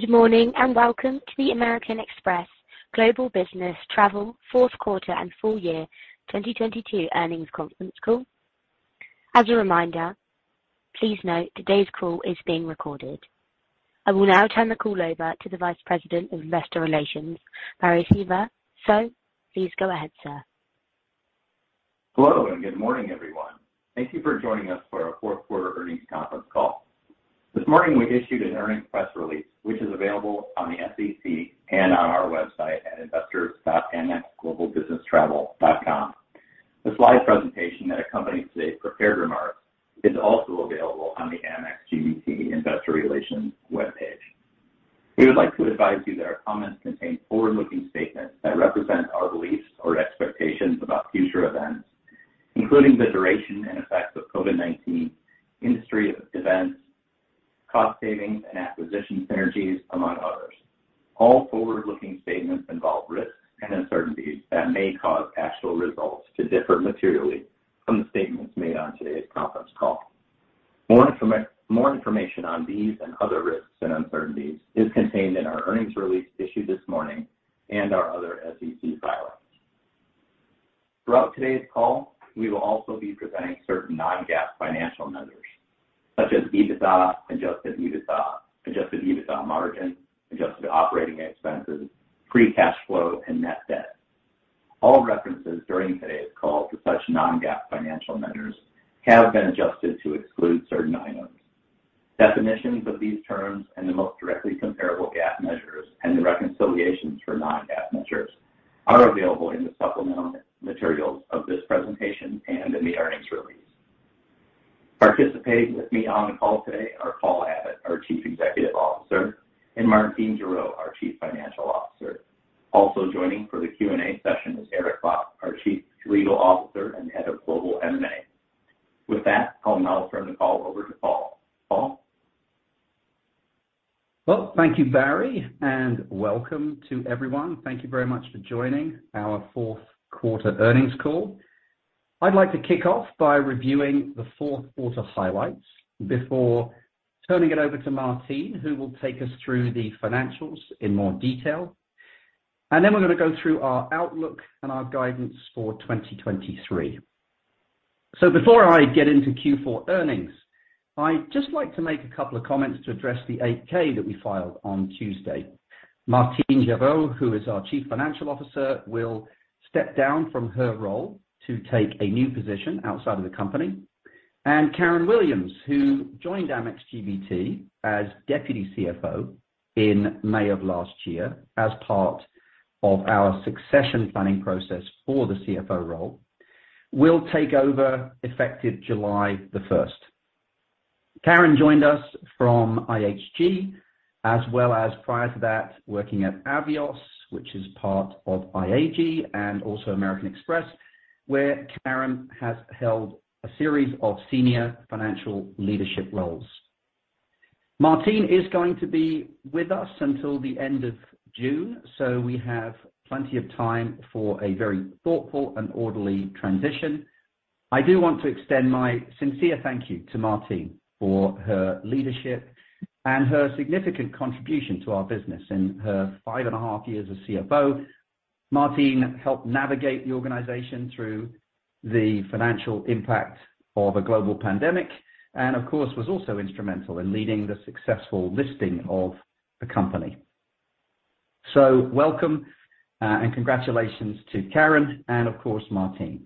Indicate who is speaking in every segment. Speaker 1: Good morning, welcome to the American Express Global Business Travel Fourth Quarter and Full Year 2022 Earnings Conference Call. As a reminder, please note today's call is being recorded. I will now turn the call over to the Vice President of Investor Relations, Barry Sievert. Sir, please go ahead, sir.
Speaker 2: Hello, good morning, everyone. Thank you for joining us for our fourth quarter earnings conference call. This morning we issued an earnings press release which is available on the SEC and on our website at investors.amexglobalbusinesstravel.com. The slide presentation that accompanies today's prepared remarks is also available on the Amex GBT investor relations webpage. We would like to advise you that our comments contain forward-looking statements that represent our beliefs or expectations about future events, including the duration and effects of COVID-19, industry events, cost savings, and acquisition synergies, among others. All forward-looking statements involve risks and uncertainties that may cause actual results to differ materially from the statements made on today's conference call. More information on these and other risks and uncertainties is contained in our earnings release issued this morning and our other SEC filings. Throughout today's call, we will also be presenting certain non-GAAP financial measures such as EBITDA, adjusted EBITDA, adjusted EBITDA margin, adjusted operating expenses, free cash flow, and net debt. All references during today's call to such non-GAAP financial measures have been adjusted to exclude certain items. Definitions of these terms and the most directly comparable GAAP measures and the reconciliations for non-GAAP measures are available in the supplemental materials of this presentation and in the earnings release. Participating with me on the call today are Paul Abbott, our Chief Executive Officer, and Martine Gerow, our Chief Financial Officer. Also joining for the Q&A session is Eric Bock, our Chief Legal Officer and Head of Global M&A. I'll now turn the call over to Paul. Paul?
Speaker 3: Well, thank you, Barry, welcome to everyone. Thank you very much for joining our fourth quarter earnings call. I'd like to kick off by reviewing the fourth quarter highlights before turning it over to Martine Gerow, who will take us through the financials in more detail. Then we're gonna go through our outlook and our guidance for 2023. Before I get into Q4 earnings, I'd just like to make a couple of comments to address the 8-K that we filed on Tuesday. Martine Gerow, who is our Chief Financial Officer, will step down from her role to take a new position outside of the company. Karen Williams, who joined Amex GBT as Deputy CFO in May of last year as part of our succession planning process for the CFO role, will take over effective July the first. Karen joined us from IHG, as well as prior to that, working at Avios, which is part of IAG, and also American Express, where Karen has held a series of senior financial leadership roles. Martine is going to be with us until the end of June. We have plenty of time for a very thoughtful and orderly transition. I do want to extend my sincere thank you to Martine for her leadership and her significant contribution to our business in her five and a half years as CFO. Martine helped navigate the organization through the financial impact of a global pandemic and of course was also instrumental in leading the successful listing of the company. Welcome, and congratulations to Karen and of course, Martine.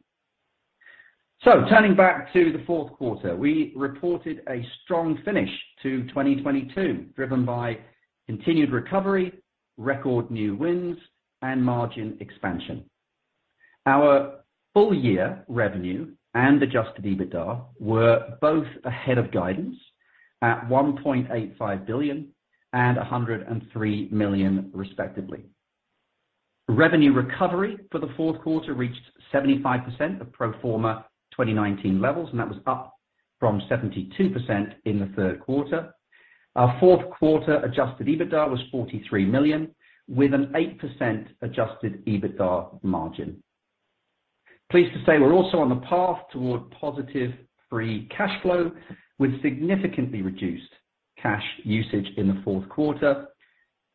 Speaker 3: Turning back to the fourth quarter. We reported a strong finish to 2022, driven by continued recovery, record new wins, and margin expansion. Our full year revenue and adjusted EBITDA were both ahead of guidance at $1.85 billion and $103 million, respectively. Revenue recovery for the fourth quarter reached 75% of pro forma 2019 levels, that was up from 72% in the third quarter. Our fourth quarter adjusted EBITDA was $43 million, with an 8% adjusted EBITDA margin. Pleased to say we're also on the path toward positive free cash flow, with significantly reduced cash usage in the fourth quarter.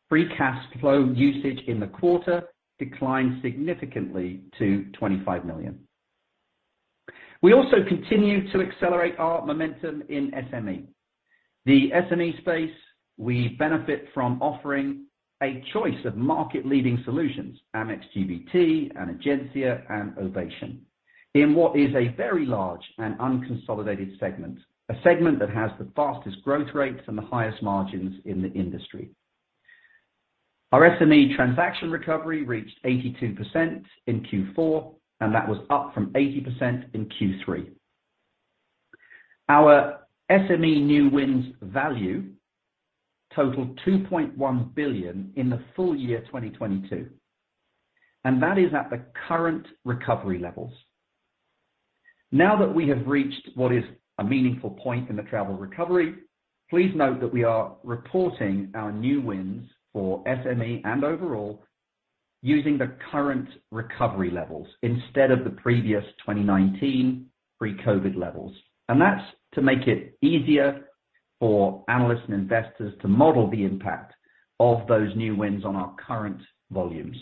Speaker 3: Free cash flow usage in the quarter declined significantly to $25 million. We also continue to accelerate our momentum in SME. The SME space, we benefit from offering a choice of market-leading solutions, Amex GBT, and Egencia, and Ovation, in what is a very large and unconsolidated segment, a segment that has the fastest growth rates and the highest margins in the industry. Our SME transaction recovery reached 82% in Q4. That was up from 80% in Q3. Our SME new wins value totaled $2.1 billion in the full year 2022. That is at the current recovery levels. Now that we have reached what is a meaningful point in the travel recovery, please note that we are reporting our new wins for SME and overall-Using the current recovery levels instead of the previous 2019 pre-COVID levels. That's to make it easier for analysts and investors to model the impact of those new wins on our current volumes.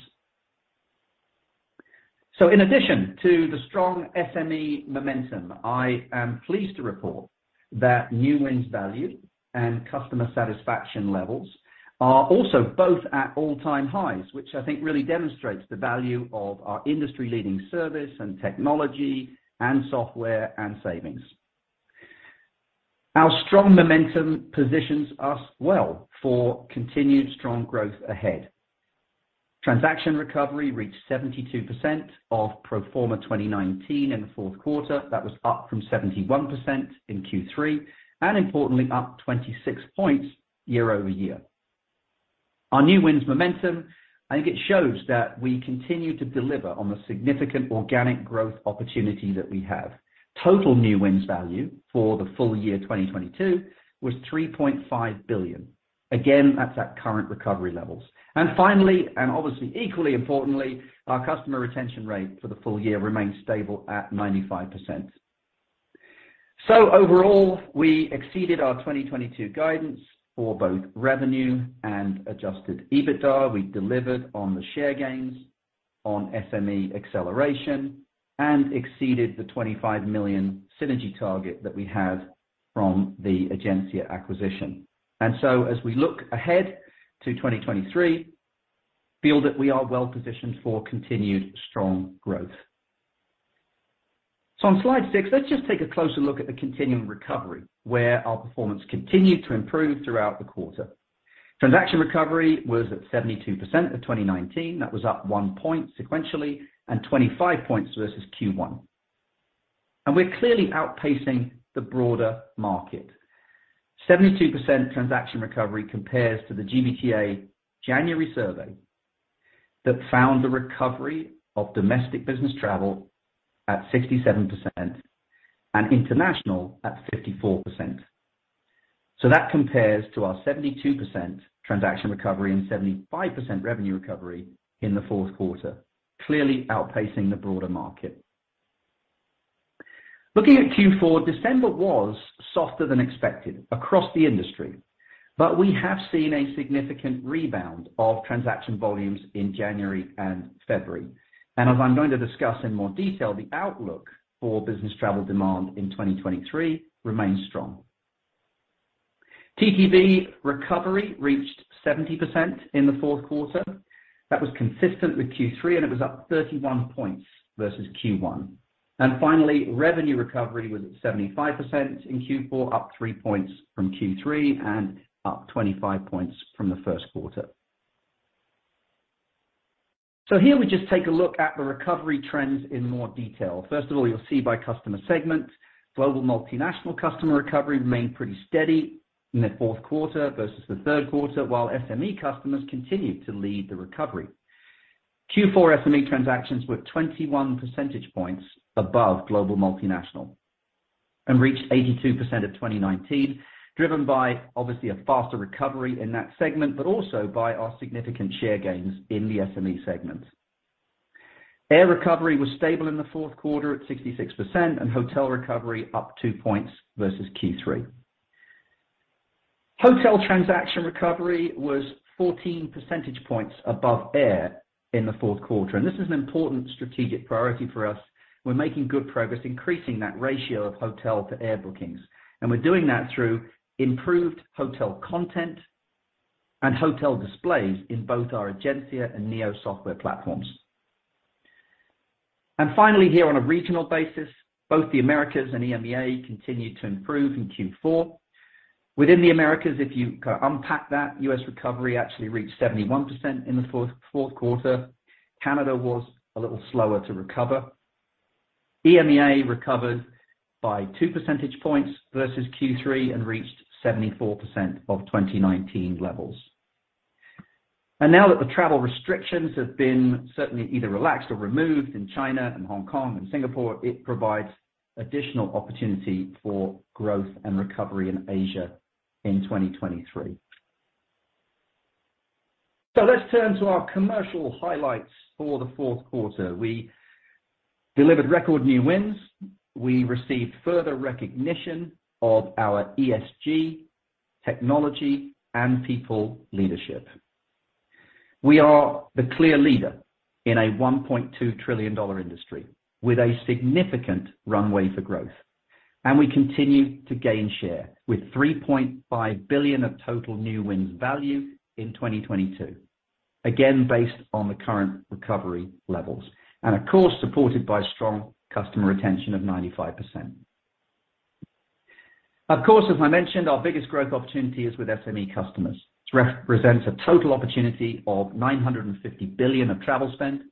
Speaker 3: In addition to the strong SME momentum, I am pleased to report that new wins value and customer satisfaction levels are also both at all-time highs, which I think really demonstrates the value of our industry-leading service and technology and software and savings. Our strong momentum positions us well for continued strong growth ahead. Transaction recovery reached 72% of pro forma 2019 in the fourth quarter. That was up from 71% in Q3, and importantly, up 26 points year-over-year. Our new wins momentum, I think it shows that we continue to deliver on the significant organic growth opportunity that we have. Total new wins value for the full year 2022 was $3.5 billion. Again, that's at current recovery levels. Finally, and obviously equally importantly, our customer retention rate for the full year remains stable at 95%. Overall, we exceeded our 2022 guidance for both revenue and adjusted EBITDA. We delivered on the share gains on SME acceleration and exceeded the $25 million synergy target that we had from the Egencia acquisition. As we look ahead to 2023, feel that we are well positioned for continued strong growth. On slide 6, let's just take a closer look at the continuing recovery where our performance continued to improve throughout the quarter. Transaction recovery was at 72% of 2019, that was up 1 point sequentially and 25 points versus Q1. We're clearly outpacing the broader market. 72% transaction recovery compares to the GBTA January survey that found the recovery of domestic business travel at 67% and international at 54%. That compares to our 72% transaction recovery and 75% revenue recovery in the fourth quarter, clearly outpacing the broader market. Looking at Q4, December was softer than expected across the industry, but we have seen a significant rebound of transaction volumes in January and February. As I'm going to discuss in more detail, the outlook for business travel demand in 2023 remains strong. TTV recovery reached 70% in the fourth quarter. That was consistent with Q3, and it was up 31 points versus Q1. Finally, revenue recovery was at 75% in Q4, up three points from Q3 and up 25 points from the first quarter. Here we just take a look at the recovery trends in more detail. First of all, you'll see by customer segment, global multinational customer recovery remained pretty steady in the fourth quarter versus the third quarter, while SME customers continued to lead the recovery. Q4 SME transactions were 21 percentage points above global multinational and reached 82% of 2019, driven by obviously a faster recovery in that segment, but also by our significant share gains in the SME segment. Air recovery was stable in the fourth quarter at 66% and hotel recovery up two points versus Q3. Hotel transaction recovery was 14 percentage points above air in the fourth quarter, and this is an important strategic priority for us. We're making good progress increasing that ratio of hotel to air bookings, and we're doing that through improved hotel content and hotel displays in both our Egencia and Neo software platforms. Finally here on a regional basis, both the Americas and EMEA continued to improve in Q4. Within the Americas, if you unpack that, U.S. recovery actually reached 71% in the fourth quarter. Canada was a little slower to recover. EMEA recovered by two percentage points versus Q3 and reached 74% of 2019 levels. Now that the travel restrictions have been certainly either relaxed or removed in China and Hong Kong and Singapore, it provides additional opportunity for growth and recovery in Asia in 2023. Let's turn to our commercial highlights for the fourth quarter. We delivered record new wins. We received further recognition of our ESG, technology, and people leadership. We are the clear leader in a $1.2 trillion industry with a significant runway for growth. We continue to gain share with $3.5 billion of total new wins value in 2022, again, based on the current recovery levels, and of course, supported by strong customer retention of 95%. Of course, as I mentioned, our biggest growth opportunity is with SME customers. This represents a total opportunity of $950 billion of travel spend.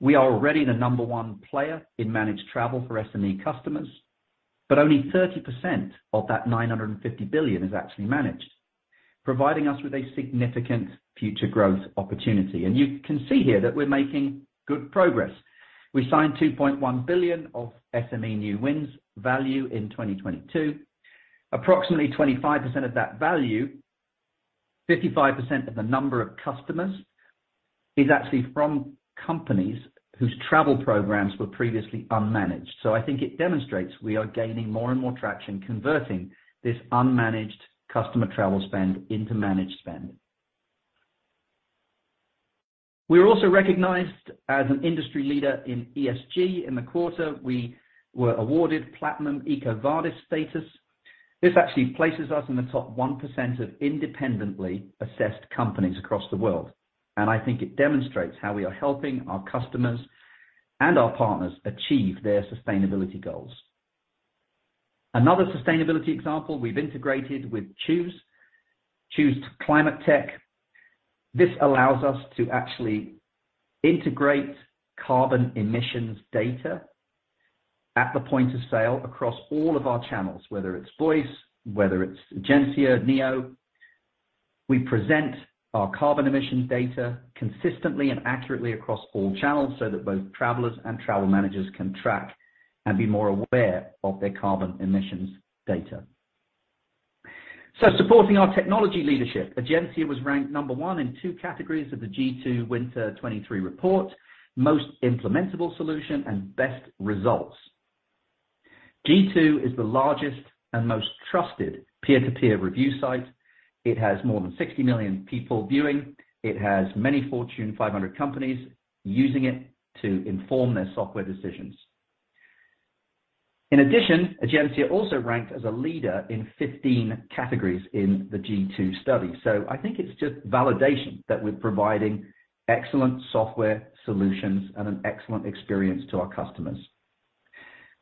Speaker 3: We are already the number one player in managed travel for SME customers, but only 30% of that $950 billion is actually managed, providing us with a significant future growth opportunity. You can see here that we're making good progress. We signed $2.1 billion of SME new wins value in 2022. Approximately 25% of that value, 55% of the number of customers is actually from companies whose travel programs were previously unmanaged. I think it demonstrates we are gaining more and more traction, converting this unmanaged customer travel spend into managed spend. We are also recognized as an industry leader in ESG. In the quarter, we were awarded Platinum EcoVadis status. This actually places us in the top 1% of independently assessed companies across the world, and I think it demonstrates how we are helping our customers and our partners achieve their sustainability goals. Another sustainability example, we've integrated with CHOOOSE Climate Tech. This allows us to actually integrate carbon emissions data at the point of sale across all of our channels, whether it's voice, whether it's Egencia NEO. We present our carbon emissions data consistently and accurately across all channels so that both travelers and travel managers can track and be more aware of their carbon emissions data. Supporting our technology leadership, Egencia was ranked number 1 in two categories of the G2 Winter 2023 report, Most Implementable Solution and Best Results. G2 is the largest and most trusted peer-to-peer review site. It has more than 60 million people viewing. It has many Fortune 500 companies using it to inform their software decisions. In addition, Egencia also ranked as a leader in 15 categories in the G2 study. I think it's just validation that we're providing excellent software solutions and an excellent experience to our customers.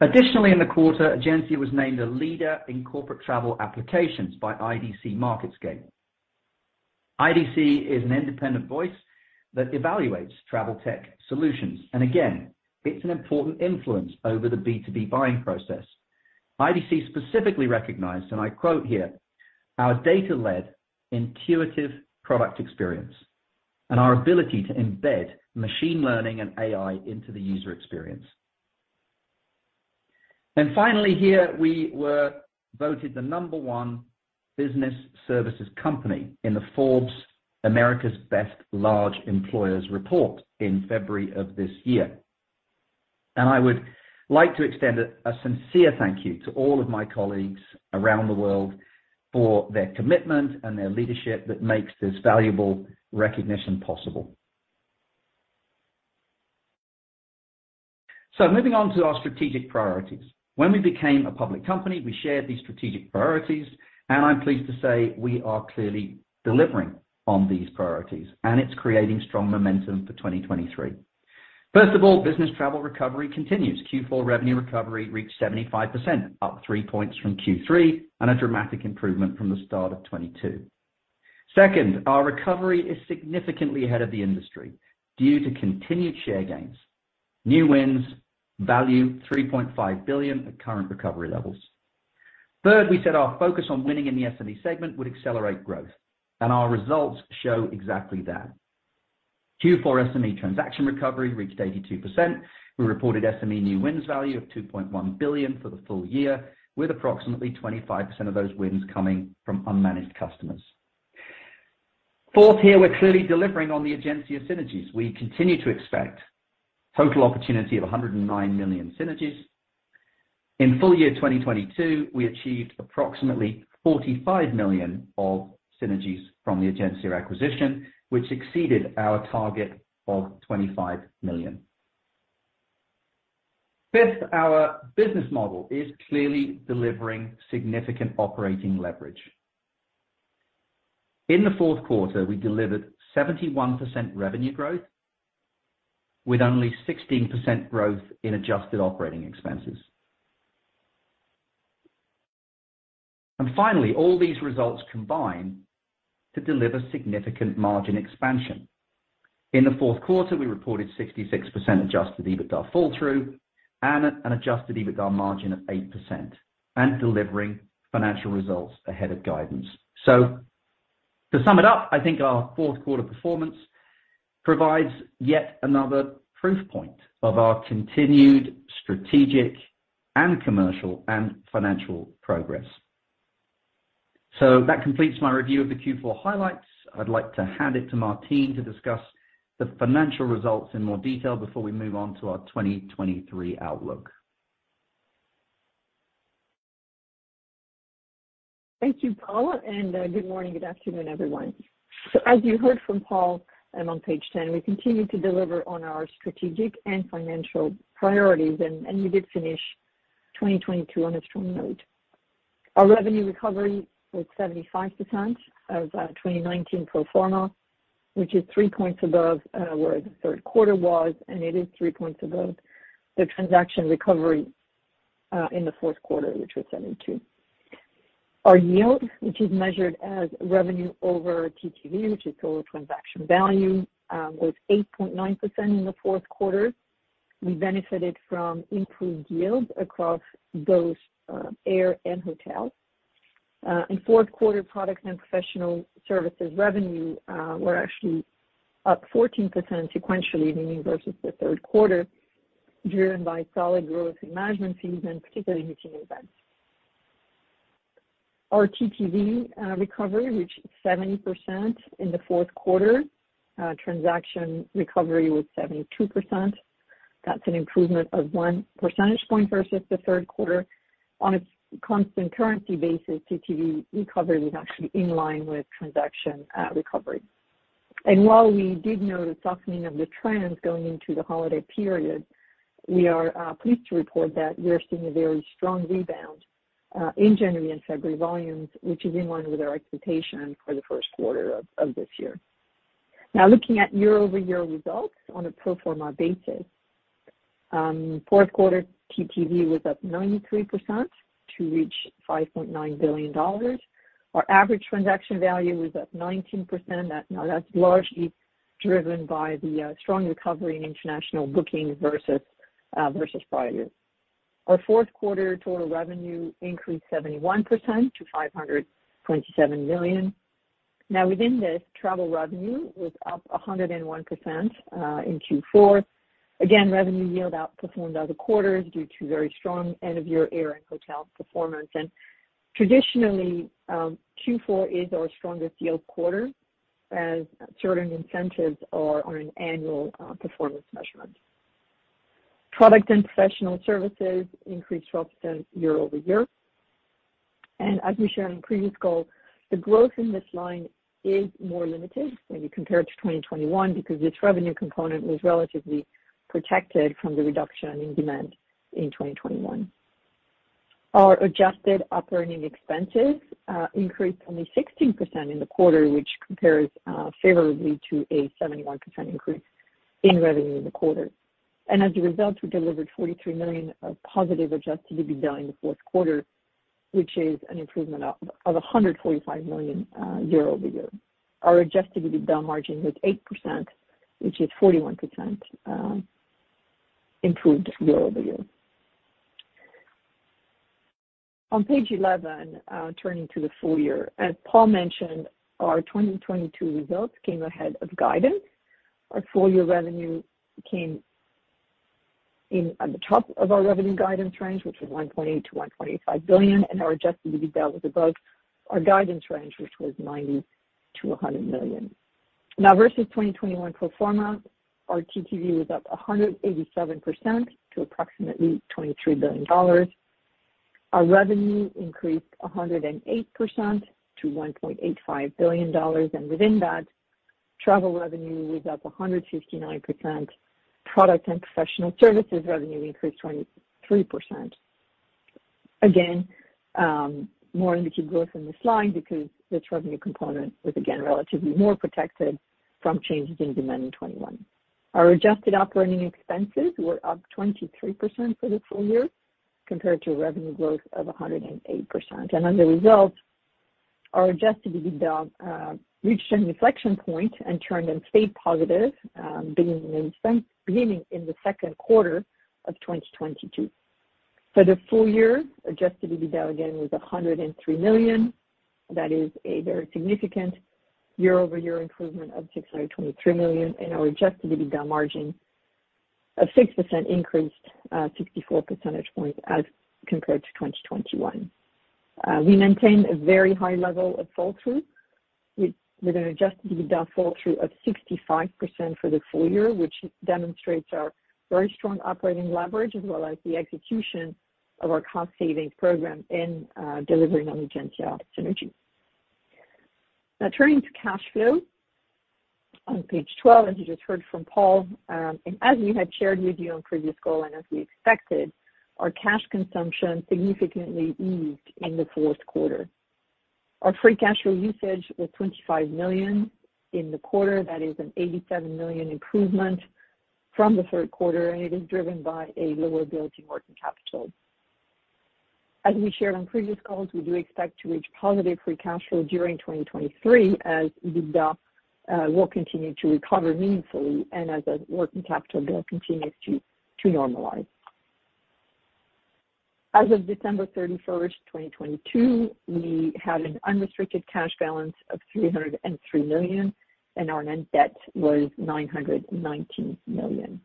Speaker 3: Additionally, in the quarter, Egencia was named a leader in corporate travel applications by IDC MarketScape. IDC is an independent voice that evaluates travel tech solutions. Again, it's an important influence over the B2B buying process. IDC specifically recognized, and I quote here, "Our data-led, intuitive product experience and our ability to embed machine learning and AI into the user experience." Finally, here, we were voted the number 1 business services company in the Forbes America's Best Large Employers report in February of this year. I would like to extend a sincere thank you to all of my colleagues around the world for their commitment and their leadership that makes this valuable recognition possible. Moving on to our strategic priorities. When we became a public company, we shared these strategic priorities, and I'm pleased to say we are clearly delivering on these priorities, and it's creating strong momentum for 2023. First of all, business travel recovery continues. Q4 revenue recovery reached 75%, up 3 points from Q3, and a dramatic improvement from the start of 2022. Second, our recovery is significantly ahead of the industry due to continued share gains. New wins value $3.5 billion at current recovery levels. Third, we said our focus on winning in the SME segment would accelerate growth, and our results show exactly that. Q4 SME transaction recovery reached 82%. We reported SME new wins value of $2.1 billion for the full year, with approximately 25% of those wins coming from unmanaged customers. Fourth, here, we're clearly delivering on the Egencia synergies. We continue to expect total opportunity of $109 million synergies. In full year 2022, we achieved approximately $45 million of synergies from the Egencia acquisition, which exceeded our target of $25 million. Fifth, our business model is clearly delivering significant operating leverage. In the fourth quarter, we delivered 71% revenue growth with only 16% growth in adjusted operating expenses. Finally, all these results combine to deliver significant margin expansion. In the fourth quarter, we reported 66% adjusted EBITDA fall-through and an adjusted EBITDA margin of 8% and delivering financial results ahead of guidance. To sum it up, I think our fourth quarter performance provides yet another proof point of our continued strategic and commercial and financial progress. That completes my review of the Q4 highlights. I'd like to hand it to Martine to discuss the financial results in more detail before we move on to our 2023 outlook.
Speaker 4: Thank you, Paul, and good morning, good afternoon, everyone. As you heard from Paul, I'm on page 10, we continue to deliver on our strategic and financial priorities and we did finish 2022 on a strong note. Our revenue recovery was 75% of 2019 pro forma, which is three points above where the third quarter was, and it is three points above the transaction recovery in the fourth quarter, which was 72%. Our yield, which is measured as revenue over TTV, which is total transaction value, was 8.9% in the fourth quarter. We benefited from improved yield across both air and hotel. In fourth quarter, products and professional services revenue were actually up 14% sequentially, meaning versus the third quarter, driven by solid growth in management fees and particularly meeting events. Our TTV recovery reached 70% in the fourth quarter. Transaction recovery was 72%. That's an improvement of one percentage point versus the third quarter. On a constant currency basis, TTV recovery was actually in line with transaction recovery. While we did note a softening of the trends going into the holiday period, we are pleased to report that we are seeing a very strong rebound in January and February volumes, which is in line with our expectation for the first quarter of this year. Looking at year-over-year results on a pro forma basis. Fourth quarter TTV was up 93% to reach $5.9 billion. Our average transaction value was up 19%. That's largely driven by the strong recovery in international bookings versus prior years. Our fourth quarter total revenue increased 71% to $500.7 million. Within this, travel revenue was up 101% in Q4. Again, revenue yield outperformed other quarters due to very strong end-of-year air and hotel performance. Traditionally, Q4 is our strongest yield quarter as certain incentives are on an annual performance measurement. Product and professional services increased 12% year-over-year. As we shared on previous calls, the growth in this line is more limited when you compare it to 2021 because this revenue component was relatively protected from the reduction in demand in 2021. Our adjusted operating expenses increased only 16% in the quarter, which compares favorably to a 71% increase in revenue in the quarter. As a result, we delivered $43 million of positive Adjusted EBITDA in the fourth quarter, which is an improvement of $145 million year-over-year. Our Adjusted EBITDA margin was 8%, which is 41% improved year-over-year. On page 11, turning to the full year. As Paul mentioned, our 2022 results came ahead of guidance. Our full year revenue came in at the top of our revenue guidance range, which was $120 billion-$125 billion, and our Adjusted EBITDA was above our guidance range, which was $90 million-$100 million. Versus 2021 pro forma, our TTV was up 187% to approximately $23 billion. Our revenue increased 108% to $1.85 billion, and within that, travel revenue was up 159%. Product and professional services revenue increased 23%. Again, more limited growth in this line because this revenue component was again relatively more protected from changes in demand in 2021. Our adjusted operating expenses were up 23% for the full year compared to a revenue growth of 108%. As a result, our adjusted EBITDA reached an inflection point and turned and stayed positive beginning in the second quarter of 2022. For the full year, adjusted EBITDA again was $103 million. That is a very significant year-over-year improvement of $623 million, and our adjusted EBITDA margin of 6% increased 64 percentage points as compared to 2021. We maintained a very high level of fall-through with an adjusted EBITDA fall-through of 65% for the full year, which demonstrates our very strong operating leverage as well as the execution of our cost savings program in delivering on Egencia synergies. Turning to cash flow on page 12, as you just heard from Paul, and as we had shared with you on previous call and as we expected, our cash consumption significantly eased in the fourth quarter. Our free cash flow usage was $25 million in the quarter. That is an $87 million improvement from the third quarter, and it is driven by a lower building working capital. As we shared on previous calls, we do expect to reach positive free cash flow during 2023 as EBITDA will continue to recover meaningfully and as our working capital there continues to normalize. As of December 31st, 2022, we had an unrestricted cash balance of $303 million, our net debt was $919 million.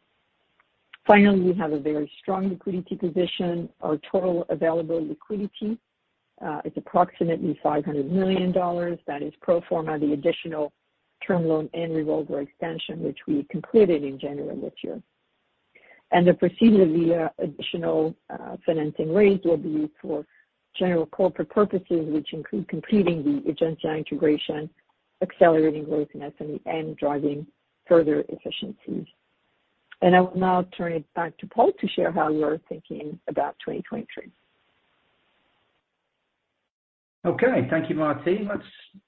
Speaker 4: Finally, we have a very strong liquidity position. Our total available liquidity is approximately $500 million. That is pro forma, the additional term loan and revolver extension, which we completed in January this year. The proceeds of the additional financing raised will be for general corporate purposes, which include completing the Egencia integration, accelerating growth in SME, and driving further efficiencies. I will now turn it back to Paul to share how we are thinking about 2023.
Speaker 3: Okay. Thank you, Martine. Let's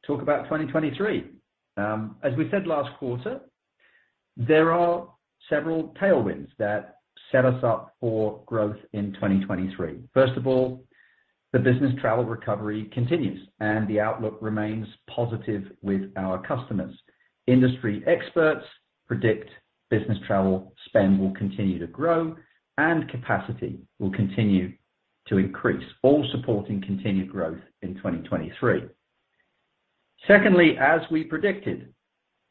Speaker 3: talk about 2023. As we said last quarter, there are several tailwinds that set us up for growth in 2023. First of all, the business travel recovery continues, and the outlook remains positive with our customers. Industry experts predict business travel spend will continue to grow and capacity will continue to increase, all supporting continued growth in 2023. Secondly, as we predicted,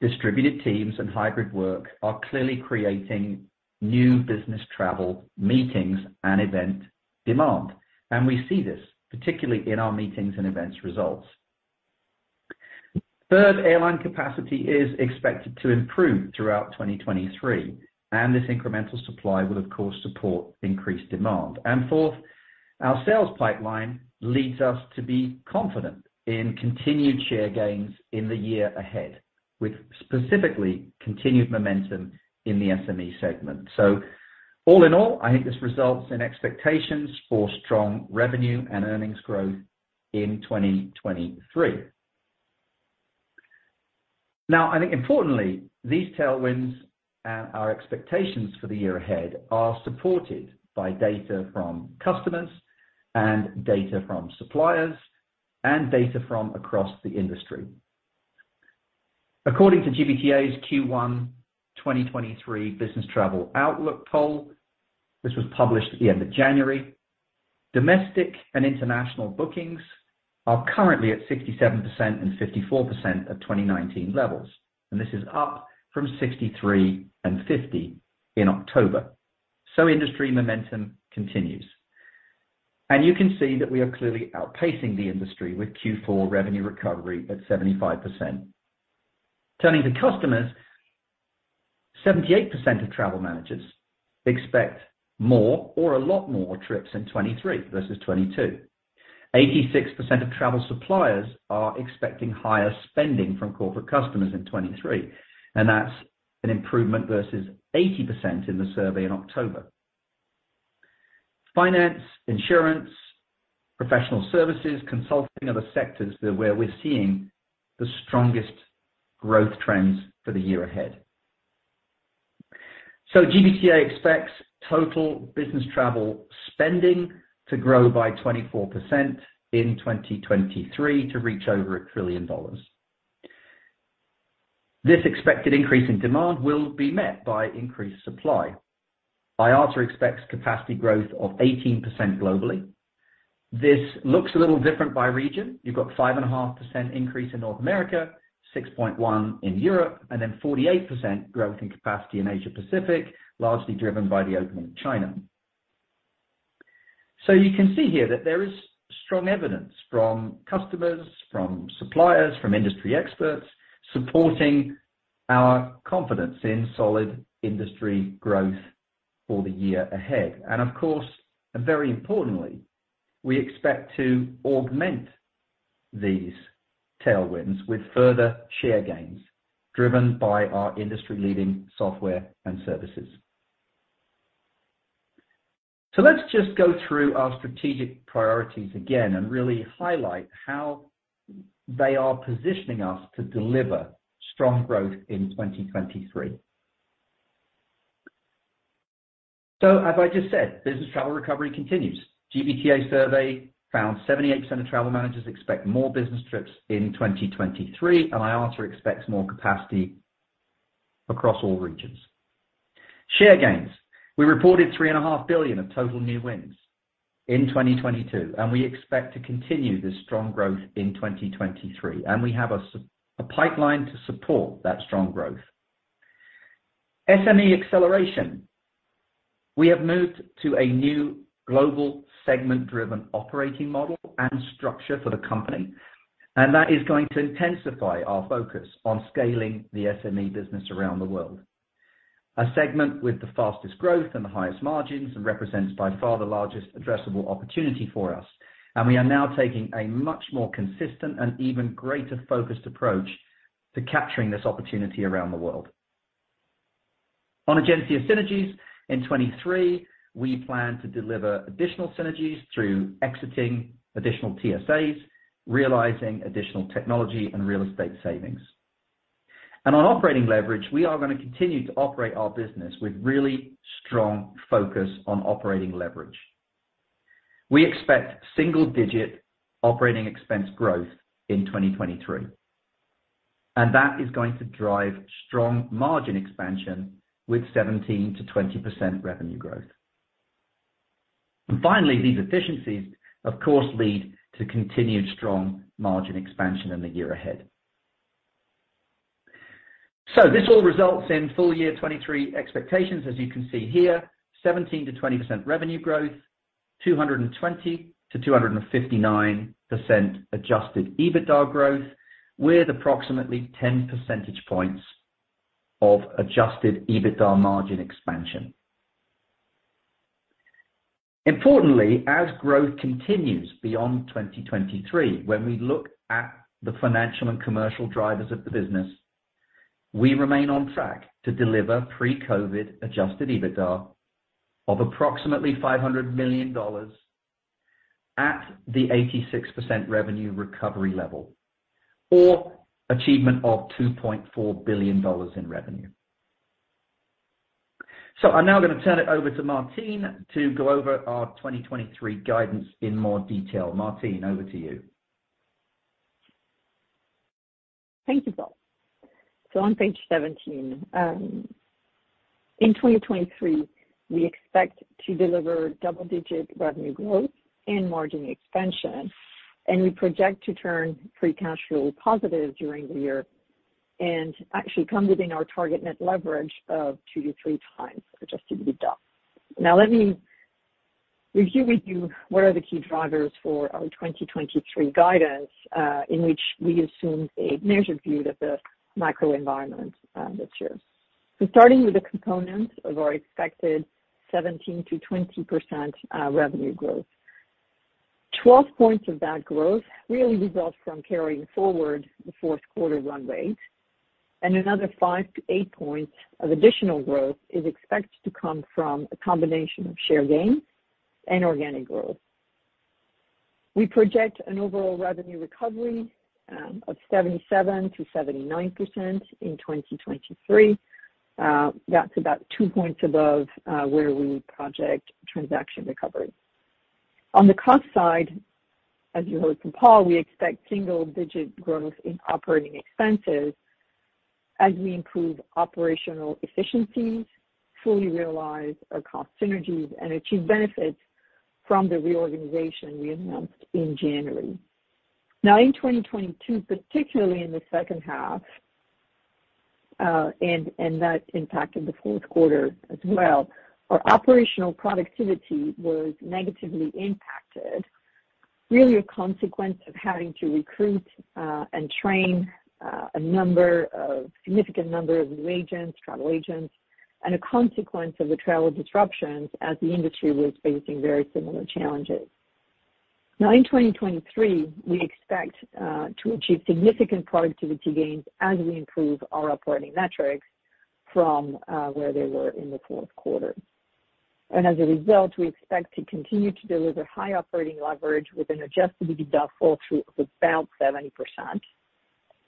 Speaker 3: distributed teams and hybrid work are clearly creating new business travel meetings and event demand, and we see this particularly in our meetings and events results. Third, airline capacity is expected to improve throughout 2023, and this incremental supply will of course support increased demand. Fourth, our sales pipeline leads us to be confident in continued share gains in the year ahead, with specifically continued momentum in the SME segment. All in all, I think this results in expectations for strong revenue and earnings growth in 2023. I think importantly, these tailwinds and our expectations for the year ahead are supported by data from customers and data from suppliers and data from across the industry. According to GBTA's Q1 2023 Business Travel Outlook Poll, this was published at the end of January, domestic and international bookings are currently at 67% and 54% of 2019 levels, and this is up from 63% and 50% in October. Industry momentum continues. You can see that we are clearly outpacing the industry with Q4 revenue recovery at 75%. Turning to customers, 78% of travel managers expect more or a lot more trips in 2023 versus 2022. 86% of travel suppliers are expecting higher spending from corporate customers in 2023, and that's an improvement versus 80% in the survey in October. Finance, insurance, professional services, consulting other sectors where we're seeing the strongest growth trends for the year ahead. GBTA expects total business travel spending to grow by 24% in 2023 to reach over $1 trillion. This expected increase in demand will be met by increased supply. IATA expects capacity growth of 18% globally. This looks a little different by region. You've got 5.5% increase in North America, 6.1% in Europe, 48% growth in capacity in Asia Pacific, largely driven by the opening of China. You can see here that there is strong evidence from customers, from suppliers, from industry experts supporting our confidence in solid industry growth for the year ahead. Of course, and very importantly, we expect to augment these tailwinds with further share gains driven by our industry-leading software and services. Let's just go through our strategic priorities again and really highlight how they are positioning us to deliver strong growth in 2023. As I just said, business travel recovery continues. GBTA survey found 78% of travel managers expect more business trips in 2023, and IATA expects more capacity across all regions. Share gains. We reported three and a half billion of total new wins in 2022, and we expect to continue this strong growth in 2023, and we have a pipeline to support that strong growth. SME acceleration. We have moved to a new global segment-driven operating model and structure for the company. That is going to intensify our focus on scaling the SME business around the world. A segment with the fastest growth and the highest margins and represents by far the largest addressable opportunity for us. We are now taking a much more consistent and even greater focused approach to capturing this opportunity around the world. On Egencia synergies, in 2023, we plan to deliver additional synergies through exiting additional TSAs, realizing additional technology and real estate savings. On operating leverage, we are gonna continue to operate our business with really strong focus on operating leverage. We expect single-digit operating expense growth in 2023, and that is going to drive strong margin expansion with 17%-20% revenue growth. Finally, these efficiencies, of course, lead to continued strong margin expansion in the year ahead. This all results in full year 2023 expectations, as you can see here, 17%-20% revenue growth, 220%-259% adjusted EBITDA growth, with approximately 10 percentage points of adjusted EBITDA margin expansion. Importantly, as growth continues beyond 2023, when we look at the financial and commercial drivers of the business, we remain on track to deliver pre-COVID adjusted EBITDA of approximately $500 million at the 86% revenue recovery level or achievement of $2.4 billion in revenue. I'm now gonna turn it over to Martine to go over our 2023 guidance in more detail. Martine, over to you.
Speaker 4: Thank you, Paul. On page 17, in 2023, we expect to deliver double-digit revenue growth and margin expansion, and we project to turn free cash flow positive during the year and actually come within our target net leverage of 2-3x adjusted EBITDA. Let me review with you what are the key drivers for our 2023 guidance, in which we assume a measured view of the macro environment this year. Starting with the components of our expected 17%-20% revenue growth. 12 points of that growth really result from carrying forward the fourth quarter run rate and another five-eight points of additional growth is expected to come from a combination of share gains and organic growth. We project an overall revenue recovery of 77%-79% in 2023. That's about two points above where we project transaction recovery. On the cost side, as you heard from Paul Abbott, we expect single-digit growth in operating expenses as we improve operational efficiencies, fully realize our cost synergies, and achieve benefits from the reorganization we announced in January. In 2022, particularly in the second half, and that impacted the fourth quarter as well, our operational productivity was negatively impacted, really a consequence of having to recruit and train a significant number of new agents, travel agents, and a consequence of the travel disruptions as the industry was facing very similar challenges. In 2023, we expect to achieve significant productivity gains as we improve our operating metrics from where they were in the fourth quarter. As a result, we expect to continue to deliver high operating leverage with an adjusted EBITDA fall through of about 70%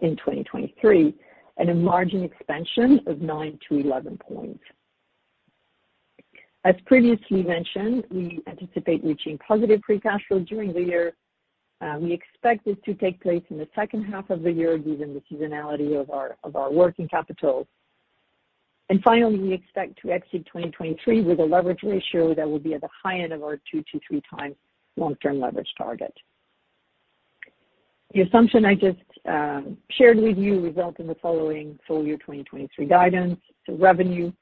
Speaker 4: in 2023 and a margin expansion of nine-11 points. As previously mentioned, we anticipate reaching positive free cash flow during the year. We expect this to take place in the second half of the year given the seasonality of our working capital. Finally, we expect to exit 2023 with a leverage ratio that will be at the high end of our 2x-3x times long-term leverage target. The assumption I just shared with you result in the following full year 2023 guidance. Revenue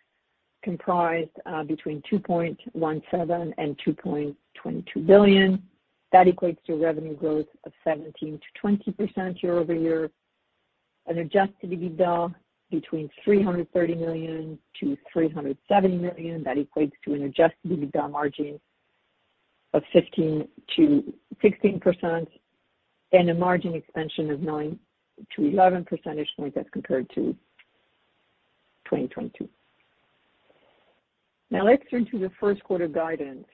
Speaker 4: comprised, between $2.17 billion and $2.22 billion. That equates to revenue growth of 17%-20% year-over-year. An adjusted EBITDA between $330 million-$370 million. That equates to an adjusted EBITDA margin of 15%-16% and a margin expansion of nine-11 percentage points as compared to 2022. Let's turn to the first quarter guidance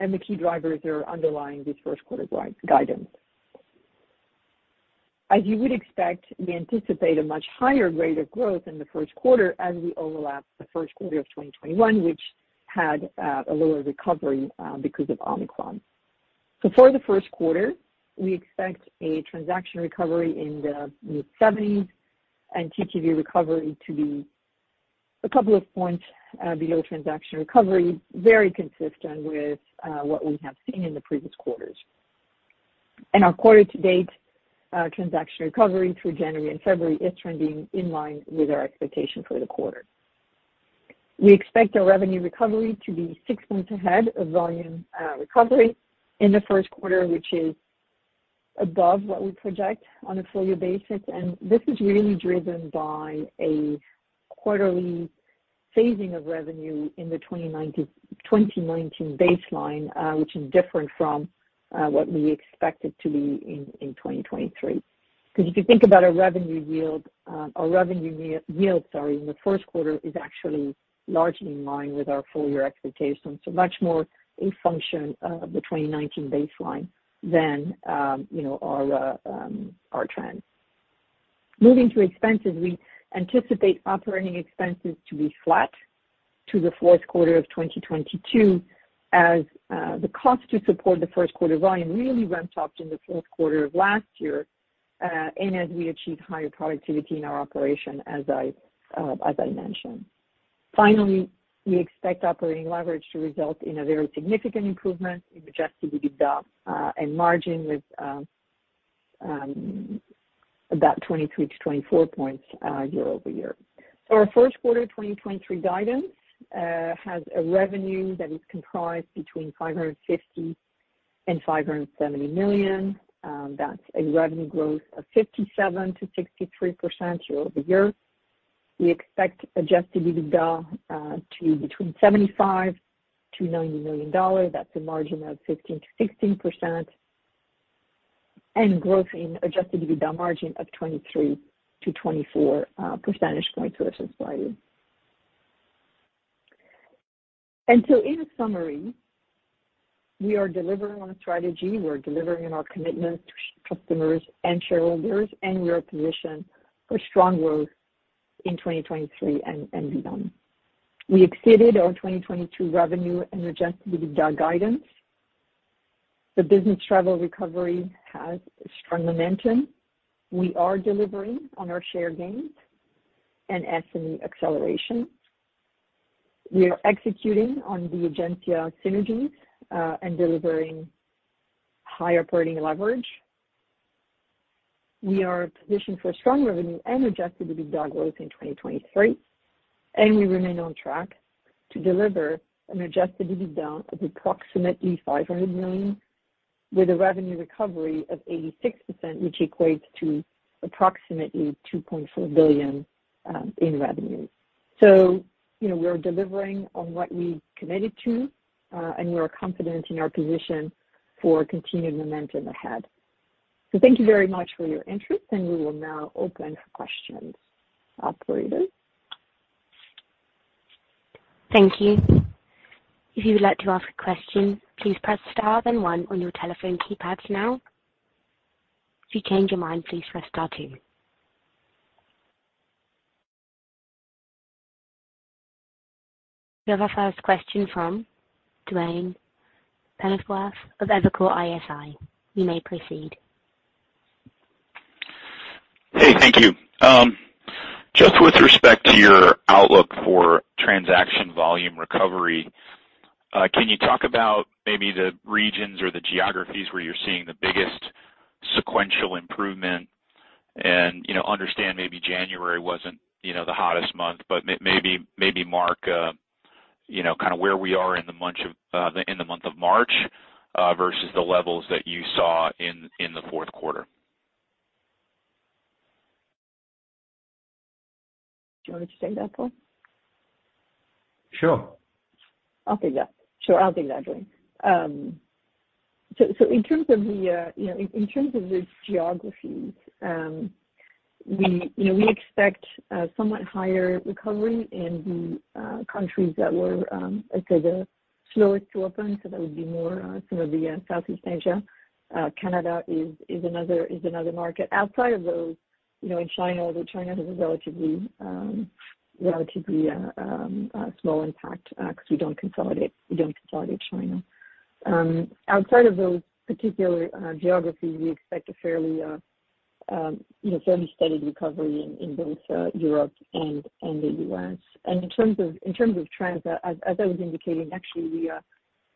Speaker 4: and the key drivers that are underlying this first quarter guidance. As you would expect, we anticipate a much higher rate of growth in the first quarter as we overlap the first quarter of 2021, which had a lower recovery because of Omicron. For the first quarter, we expect a transaction recovery in the mid-70s and TTV recovery to be a couple of points below transaction recovery, very consistent with what we have seen in the previous quarters. Our quarter-to-date transaction recovery through January and February is trending in line with our expectation for the quarter. We expect our revenue recovery to be six months ahead of volume recovery in the first quarter, which is above what we project on a full year basis. This is really driven by a quarterly phasing of revenue in the 2019 baseline, which is different from what we expect it to be in 2023. If you think about our revenue yield, sorry, in the first quarter is actually largely in line with our full year expectations. Much more a function of the 2019 baseline than, you know, our trend. Moving to expenses, we anticipate operating expenses to be flat to the fourth quarter of 2022 as the cost to support the first quarter volume really ramped up in the fourth quarter of last year, and as we achieve higher productivity in our operation, as I mentioned. Finally, we expect operating leverage to result in a very significant improvement in adjusted EBITDA and margin with about 23-24 points year-over-year. Our first quarter 2023 guidance has a revenue that is comprised between $550 million and $570 million. That's a revenue growth of 57%-63% year-over-year. We expect adjusted EBITDA to be between $75 million-$90 million. That's a margin of 15%-16% and growth in adjusted EBITDA margin of 23-24 percentage points versus prior year. In summary, we are delivering on a strategy, we're delivering on our commitment to customers and shareholders, and we are positioned for strong growth in 2023 and beyond. We exceeded our 2022 revenue and adjusted EBITDA guidance. The business travel recovery has strong momentum. We are delivering on our share gains and SME acceleration. We are executing on the Egencia synergies and delivering higher operating leverage. We are positioned for strong revenue and adjusted EBITDA growth in 2023, and we remain on track to deliver an adjusted EBITDA of approximately $500 million with a revenue recovery of 86%, which equates to approximately $2.4 billion in revenue. You know, we're delivering on what we committed to, and we are confident in our position for continued momentum ahead. Thank you very much for your interest, and we will now open for questions. Operator?
Speaker 1: Thank you. If you would like to ask a question, please press star then one on your telephone keypads now. If you change your mind, please press star two. We have our first question from Duane Pfennigwerth of Evercore ISI. You may proceed.
Speaker 5: Hey, thank you. Just with respect to your outlook for transaction volume recovery, can you talk about maybe the regions or the geographies where you're seeing the biggest sequential improvement? You know, understand maybe January wasn't, you know, the hottest month, but maybe mark, you know, kind of where we are in the month of March, versus the levels that you saw in the fourth quarter.
Speaker 4: Do you want me to take that, Paul?
Speaker 3: Sure.
Speaker 4: I'll take that. Sure, I'll take that, Duane. In terms of the, you know, in terms of the geographies, we, you know, we expect somewhat higher recovery in the countries that were, I'd say the slowest to open, so that would be more some of the Southeast Asia. Canada is another market. Outside of those, you know, in China, although China has a relatively small impact, because we don't consolidate China. Outside of those particular geographies, we expect a fairly, you know, fairly steady recovery in both, Europe and the U.S. In terms of trends, as I was indicating, actually we, you know,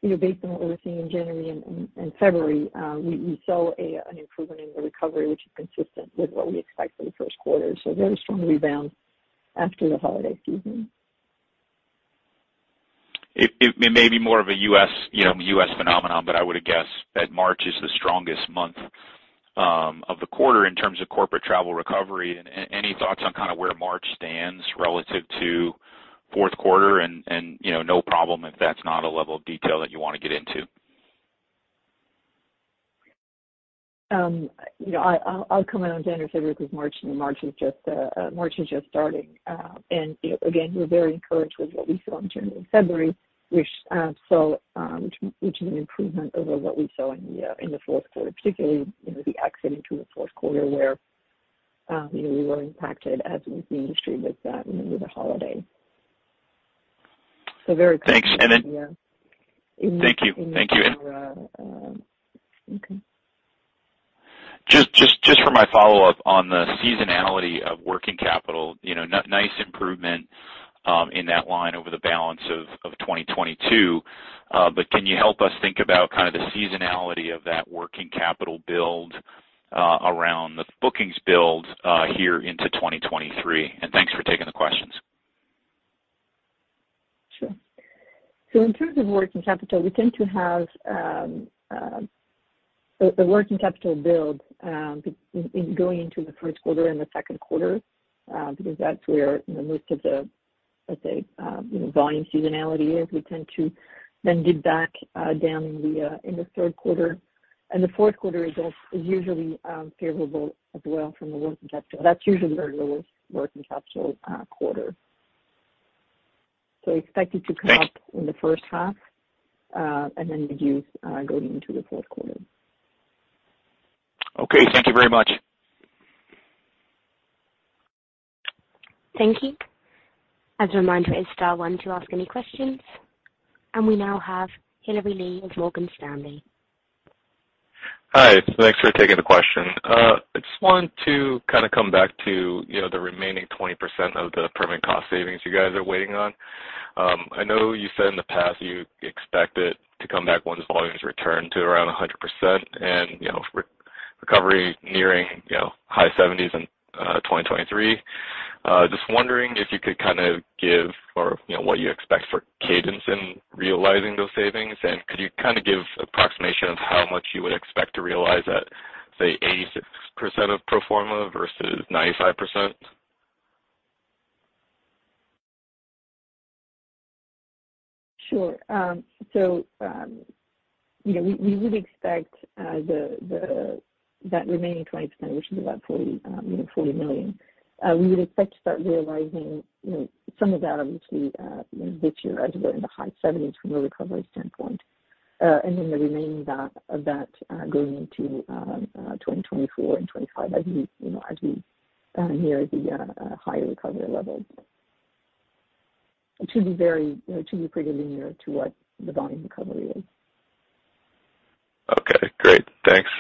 Speaker 4: based on what we're seeing in January and February, we saw an improvement in the recovery which is consistent with what we expect for the first quarter. Very strong rebound after the holiday season.
Speaker 5: It may be more of a U.S., you know, U.S. phenomenon, but I would guess that March is the strongest month of the quarter in terms of corporate travel recovery. Any thoughts on kind of where March stands relative to fourth quarter? You know, no problem if that's not a level of detail that you want to get into.
Speaker 4: You know, I'll comment on January, February, because March, you know, March is just starting. You know, again, we're very encouraged with what we saw in January and February, which saw, which is an improvement over what we saw in the fourth quarter, particularly, you know, the exit into the fourth quarter where, you know, we were impacted as the industry was, you know, with the holiday. Very encouraged.
Speaker 5: Thanks.
Speaker 4: Yeah.
Speaker 5: Thank you. Thank you.
Speaker 4: In the quarter. Okay.
Speaker 5: Just for my follow-up on the seasonality of working capital, you know, nice improvement in that line over the balance of 2022. Can you help us think about kind of the seasonality of that working capital build around the bookings build here into 2023? Thanks for taking the questions.
Speaker 4: Sure. In terms of working capital, we tend to have a working capital build in going into the first quarter and the second quarter, because that's where, you know, most of the, let's say, you know, volume seasonality is. We tend to then give back down in the third quarter. The fourth quarter is usually favorable as well from a working capital. That's usually our lowest working capital quarter. Expect it to come up,
Speaker 5: Thanks.
Speaker 4: in the first half, then reduce, going into the fourth quarter.
Speaker 5: Okay. Thank you very much.
Speaker 1: Thank you. As a reminder, it's star one to ask any questions. We now have [Telly Rilley] of Morgan Stanley.
Speaker 6: Hi. Thanks for taking the question. I just want to kind of come back to, you know, the remaining 20% of the permanent cost savings you guys are waiting on. I know you said in the past you expect it to come back once volumes return to around 100% and, you know, re-recovery nearing, you know, high 70s in 2023. Just wondering if you could kind of give or, you know, what you expect for cadence in realizing those savings. Could you kind of give approximation of how much you would expect to realize at, say, 86% of pro forma versus 95%?
Speaker 4: You know, we would expect that remaining 20%, which is about $40 million. We would expect to start realizing, you know, some of that obviously, you know, this year as we're in the high 70s from a recovery standpoint. And then the remaining of that going into 2024 and 2025 as we, you know, near the higher recovery level. It should be pretty linear to what the volume recovery is.
Speaker 6: Okay, great. Thanks.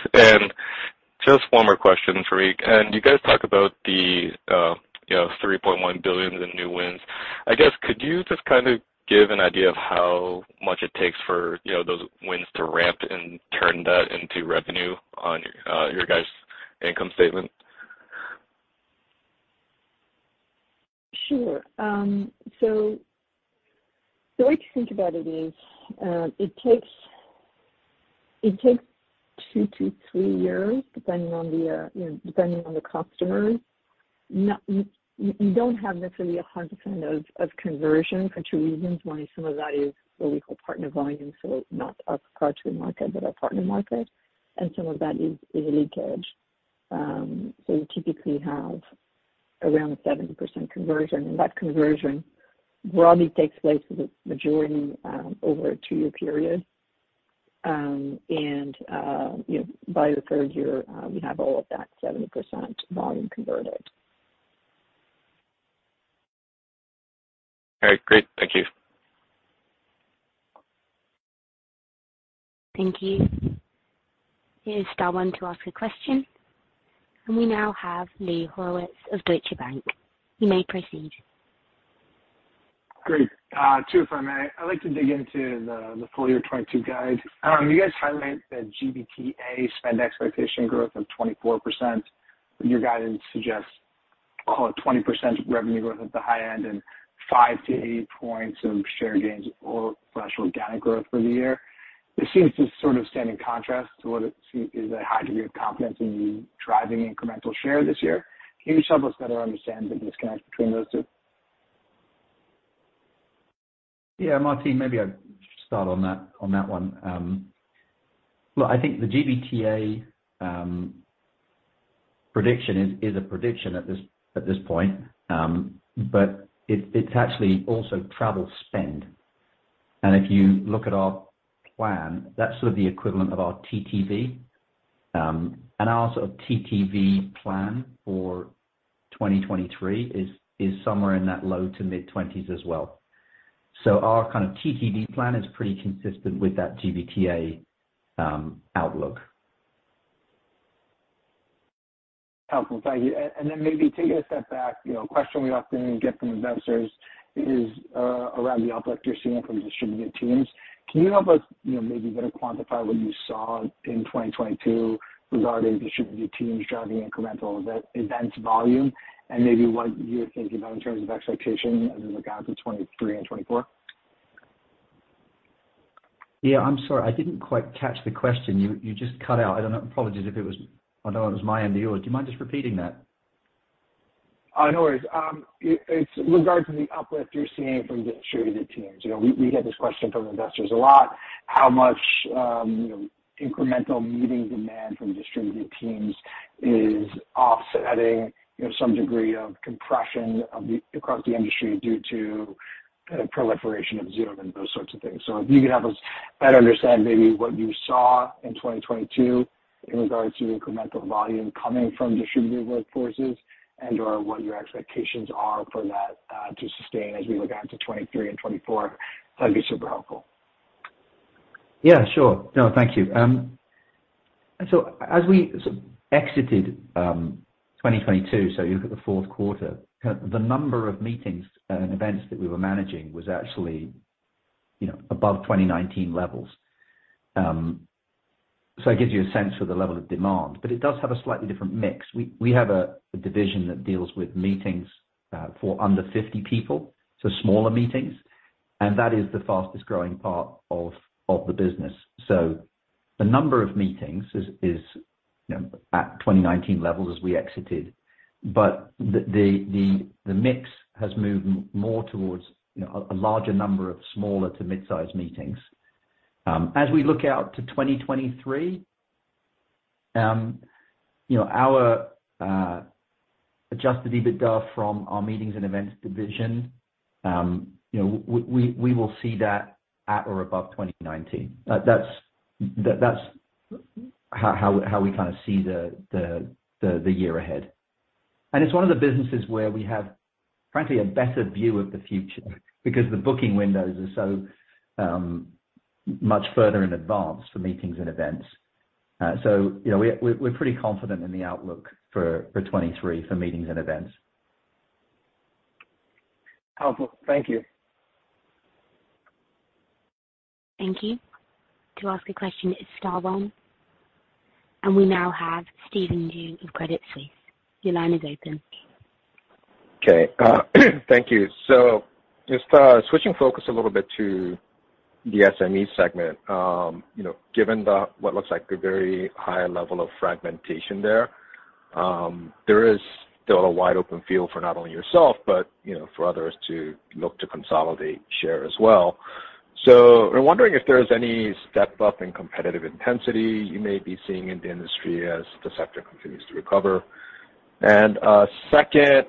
Speaker 6: Just one more question, [Farik]. Can you guys talk about the, you know, $3.1 billion in new wins? I guess, could you just kind of give an idea of how much it takes for, you know, those wins to ramp and turn that into revenue on your guys' income statement?
Speaker 4: Sure. The way to think about it is, it takes two to three years, depending on the, you know, depending on the customer. You don't have necessarily 100% of conversion for two reasons. One is some of that is what we call partner volume, so not our card to the market but our partner market, and some of that is leakage. You typically have around 70% conversion, and that conversion broadly takes place for the majority, over a two-year period. You know, by the third year, we have all of that 70% volume converted.
Speaker 6: All right, great. Thank you.
Speaker 1: Thank you. Here's star one to ask a question. We now have Lee Horowitz of Deutsche Bank. You may proceed.
Speaker 7: Great. two for a minute. I'd like to dig into the full year 2022 guide. You guys highlight the GBTA spend expectation growth of 24%. Your guidance suggests call it 20% revenue growth at the high end and five-eight points of share gains or fresh organic growth for the year. This seems to sort of stand in contrast to what it seem is a high degree of confidence in driving incremental share this year. Can you just help us better understand the disconnect between those two?
Speaker 3: Yeah, Martine, maybe I start on that, on that one. Well, I think the GBTA prediction is a prediction at this point. It's actually also travel spend. If you look at our plan, that's sort of the equivalent of our TTV. Our sort of TTV plan for 2023 is somewhere in that low-to-mid 20s% as well. Our kind of TTV plan is pretty consistent with that GBTA outlook.
Speaker 7: Helpful, thank you. Then maybe taking a step back, you know, a question we often get from investors is around the uplift you're seeing from distributed teams. Can you help us, you know, maybe better quantify what you saw in 2022 regarding distributed teams driving incremental events volume and maybe what you're thinking about in terms of expectation as we look out to 2023 and 2024?
Speaker 3: Yeah, I'm sorry. I didn't quite catch the question. You just cut out. I don't know. Apologies if it was. I don't know if it was my end or yours. Do you mind just repeating that?
Speaker 7: Oh, no worries. It's regard to the uplift you're seeing from distributed teams. You know, we get this question from investors a lot. How much, you know, incremental meeting demand from distributed teams is offsetting, you know, some degree of compression across the industry due to the proliferation of Zoom and those sorts of things. If you could have us better understand maybe what you saw in 2022 in regards to incremental volume coming from distributed workforces and/or what your expectations are for that to sustain as we look out to 2023 and 2024, that'd be super helpful.
Speaker 3: Yeah, sure. No, thank you. As we sort of exited, 2022, you look at the fourth quarter, the number of meetings and events that we were managing was actually, you know, above 2019 levels. It gives you a sense for the level of demand, but it does have a slightly different mix. We have a division that deals with meetings, for under 50 people, so smaller meetings, and that is the fastest growing part of the business. The number of meetings is, you know, at 2019 levels as we exited. The mix has moved more towards, you know, a larger number of smaller to mid-sized meetings. As we look out to 2023, you know, our Adjusted EBITDA from our meetings and events division, you know, we will see that at or above 2019. That's how we kind of see the year ahead. It's one of the businesses where we have frankly a better view of the future because the booking windows are so much further in advance for meetings and events. You know, we're pretty confident in the outlook for 23 for meetings and events.
Speaker 7: Helpful. Thank you.
Speaker 1: Thank you. To ask a question, it's star one. We now have Steven Yuen of Credit Suisse. Your line is open.
Speaker 8: Okay. Thank you. Just switching focus a little bit to the SME segment, you know, given the, what looks like a very high level of fragmentation there There is still a wide open field for not only yourself, but, you know, for others to look to consolidate share as well. I'm wondering if there's any step up in competitive intensity you may be seeing in the industry as the sector continues to recover. Second,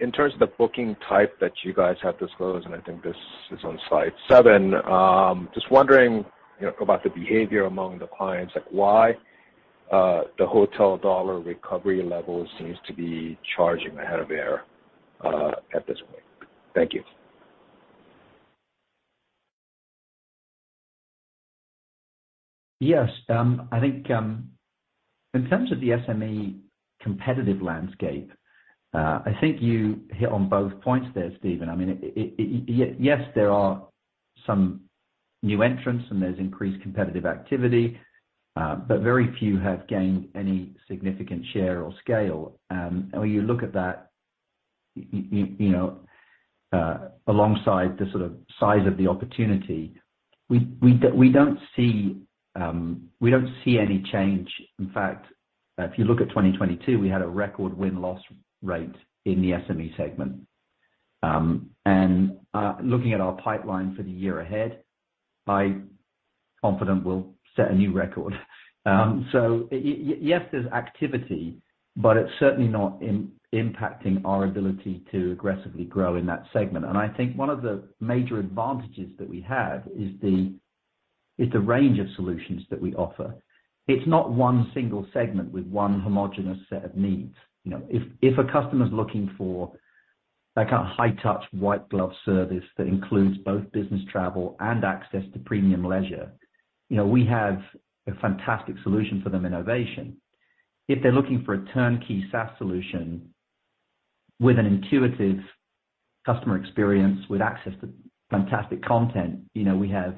Speaker 8: in terms of the booking type that you guys have disclosed, and I think this is on slide 7, just wondering, you know, about the behavior among the clients, like why the hotel dollar recovery levels seems to be charging ahead of air at this point. Thank you.
Speaker 3: Yes. I think, in terms of the SME competitive landscape, I think you hit on both points there, Stephen. I mean, yes, there are some new entrants, and there's increased competitive activity, but very few have gained any significant share or scale. When you look at that, you know, alongside the sort of size of the opportunity, we don't see any change. In fact, if you look at 2022, we had a record win-loss rate in the SME segment. Looking at our pipeline for the year ahead, I'm confident we'll set a new record. Yes, there's activity, but it's certainly not impacting our ability to aggressively grow in that segment. I think one of the major advantages that we have is the range of solutions that we offer. It's not one single segment with one homogenous set of needs. You know, if a customer's looking for that kind of high touch white glove service that includes both business travel and access to premium leisure, you know, we have a fantastic solution for them in Ovation. If they're looking for a turnkey SaaS solution with an intuitive customer experience with access to fantastic content, you know, we have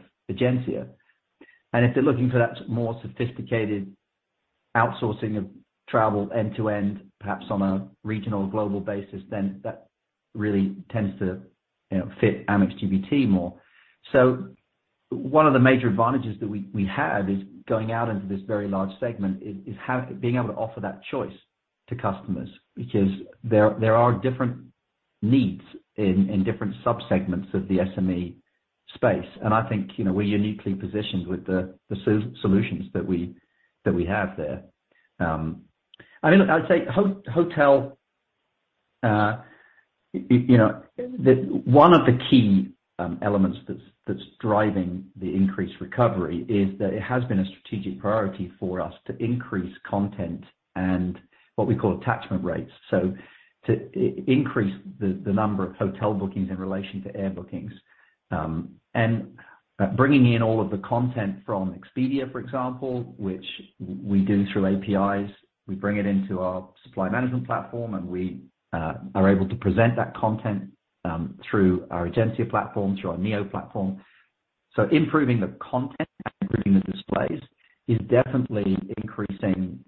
Speaker 3: Egencia. If they're looking for that more sophisticated outsourcing of travel end to end, perhaps on a regional or global basis, then that really tends to, you know, fit Amex GBT more. One of the major advantages that we have is going out into this very large segment is being able to offer that choice to customers because there are different needs in different subsegments of the SME space. I think, you know, we're uniquely positioned with the solutions that we have there. I mean, I'd say hotel, you know, one of the key elements that's driving the increased recovery is that it has been a strategic priority for us to increase content and what we call attachment rates. To increase the number of hotel bookings in relation to air bookings. Bringing in all of the content from Expedia, for example, which we do through APIs. We bring it into our supply management platform, and we are able to present that content through our Egencia platform, through our Neo platform. Improving the content and improving the displays is definitely increasing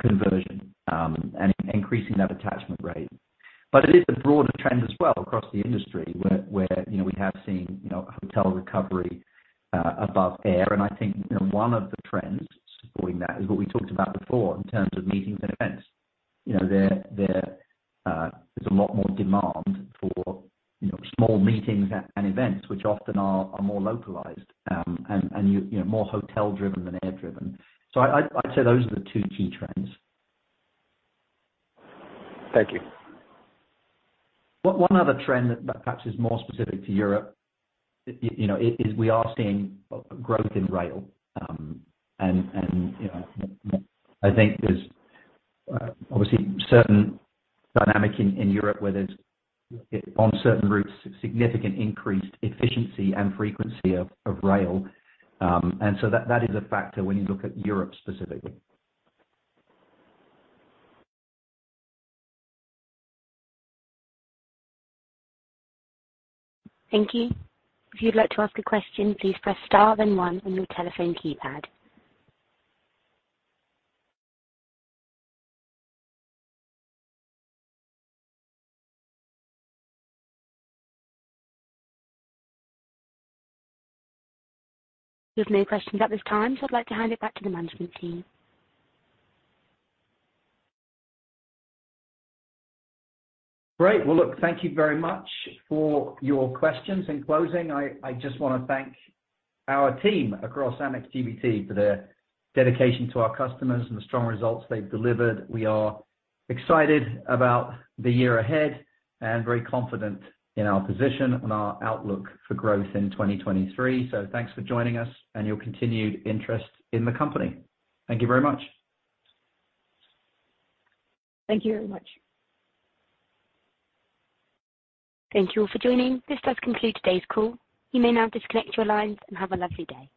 Speaker 3: conversion and increasing that attachment rate. It is a broader trend as well across the industry where, you know, we have seen, you know, hotel recovery, above air. I think, you know, one of the trends supporting that is what we talked about before in terms of meetings and events. You know, there's a lot more demand for, you know, small meetings and events which often are more localized, and, you know, more hotel driven than air driven. I'd say those are the two key trends.
Speaker 8: Thank you.
Speaker 3: One other trend that perhaps is more specific to Europe, you know, is we are seeing growth in rail. You know, I think there's obviously certain dynamic in Europe where there's, on certain routes, significant increased efficiency and frequency of rail. So that is a factor when you look at Europe specifically.
Speaker 1: Thank you. If you'd like to ask a question, please press star then 1 on your telephone keypad. There's no questions at this time, I'd like to hand it back to the management team.
Speaker 3: Great. Well, look, thank you very much for your questions. In closing, I just wanna thank our team across Amex GBT for their dedication to our customers and the strong results they've delivered. We are excited about the year ahead and very confident in our position and our outlook for growth in 2023. Thanks for joining us and your continued interest in the company. Thank you very much.
Speaker 4: Thank you very much.
Speaker 1: Thank you all for joining. This does conclude today's call. You may now disconnect your lines and have a lovely day.